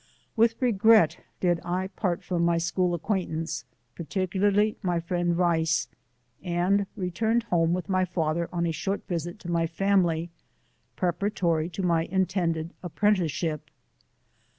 With regret did I part from my school acquaintance, particularly my friend Rice, and returned home with my father, on a short visit to my family, preparatory to my inteuded apprenticeship.